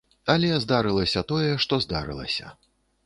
Але здарылася тое, што здарылася.